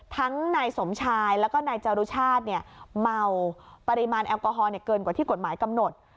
นายสมชายแล้วก็นายจารุชาติเมาปริมาณแอลกอฮอลเกินกว่าที่กฎหมายกำหนด